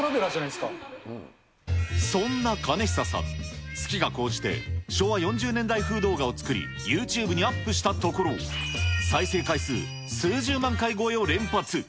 そんなかねひささん、好きが高じて、昭和４０年代風動画を作り、ユーチューブにアップしたところ、再生回数数十万回超えを連発。